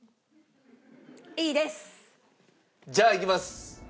じゃあいきます。